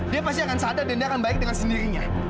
dia pasti akan sadar dan dia akan baik dengan sendirinya